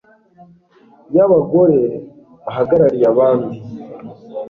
y Abagore bahagarariye abandi